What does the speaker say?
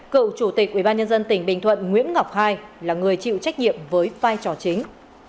cựu chủ tịch ubnd tỉnh bình thuận nguyễn ngọc hai là người chịu trách nhiệm với vai trò chính